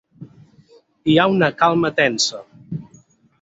Hi ha una calma tensa.